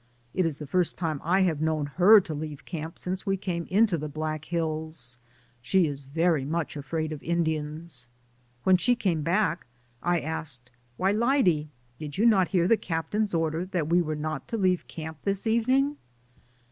It is the first time I have known her to leave camp since we came into the Black Hills; she is very much afraid of Indians. When she came back I asked, "Why, Lyde, did you not hear the captain's order that we were not to leave camp this evening